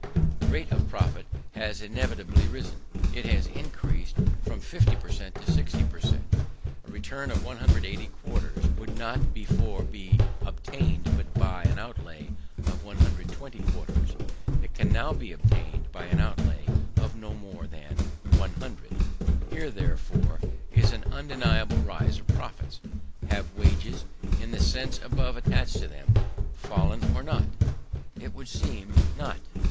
The rate of profit has evidently risen. It has increased from 50 per cent to 60 per cent. A return of 180 quarters could not before be obtained but by an outlay of 120 quarters; it can now be obtained by an outlay of no more than 100. Here, therefore, is an undeniable rise of profits. Have wages, in the sense above attached to them, fallen or not? It would seem not.